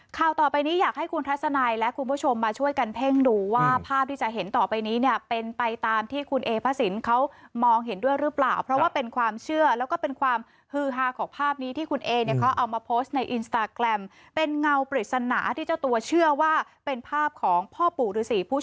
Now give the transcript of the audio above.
ข่าวต่อไปนี้อยากให้คุณทัศนัยและคุณผู้ชมมาช่วยกันเพ่งดูว่าภาพที่จะเห็นต่อไปนี้เนี่ยเป็นไปตามที่คุณเอพระสินเขามองเห็นด้วยหรือเปล่าเพราะว่าเป็นความเชื่อแล้วก็เป็นความฮือฮาของภาพนี้ที่คุณเอเนี่ยเขาเอามาโพสต์ในอินสตาแกรมเป็นเงาปริศนาที่เจ้าตัวเชื่อว่าเป็นภาพของพ่อปู่ฤษีผู้